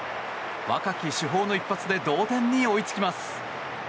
若き主砲の一発で同点に追いつきます。